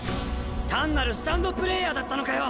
単なるスタンドプレーヤーだったのかよ！